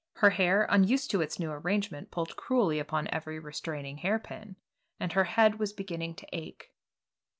Her hair, unused to its new arrangement, pulled cruelly upon every restraining hair pin, and her head was beginning to ache.